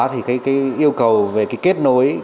thì cái yêu cầu về cái kết nối